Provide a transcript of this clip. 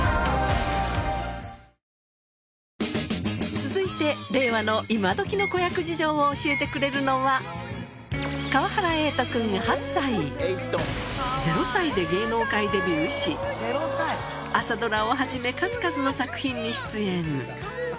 続いて令和の今どきの子役事情を教えてくれるのは朝ドラをはじめ数々の作品に出演